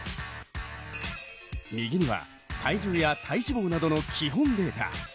右には体重や体脂肪などの基本データ。